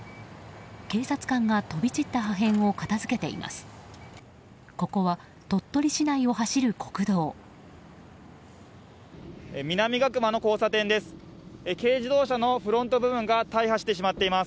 警察官が飛び散った破片を片付けています。